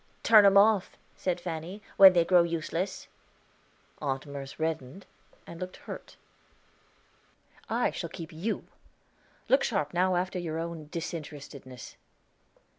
"Turn 'em off," said Fanny, "when they grow useless." Aunt Merce reddened, and looked hurt. "I shall keep you; look sharp now after your own disinterestedness."